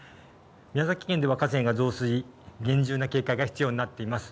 宮崎県では河川が増水、厳重な警戒が必要になっています。